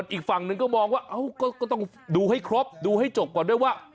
อีกฝั่งหนึ่งก็มองว่าก็ต้องดูให้ครบดูให้จบก่อนด้วยว่า